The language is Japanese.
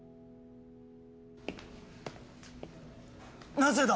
なぜだ！